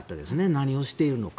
何をしているのか。